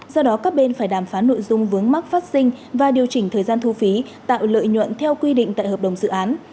do đó các bên phải đàm phán nội dung vướng mắc phát sinh và điều chỉnh thời gian thu phí tạo lợi nhuận theo quy định tại hợp đồng dự án